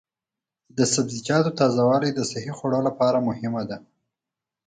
د سبزیجاتو تازه والي د صحي خوړو لپاره مهمه ده.